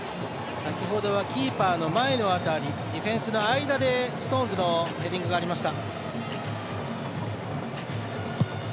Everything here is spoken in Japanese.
先ほどはキーパーの前の辺りディフェンスの間でストーンズのヘディングがありました。